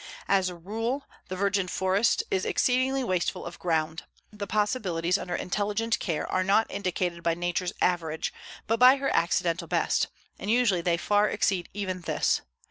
As a rule the virgin forest is exceedingly wasteful of ground. The possibilities under intelligent care are not indicated by nature's average, but by her accidental best, and usually they far exceed even this.